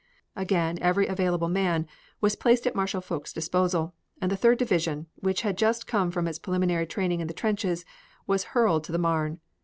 Again every available man was placed at Marshal Foch's disposal, and the Third Division, which had just come from its preliminary training in the trenches, was hurried to the Marne.